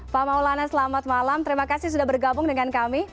pak maulana selamat malam terima kasih sudah bergabung dengan kami